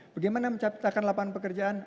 bagaimana menciptakan lapangan pekerjaan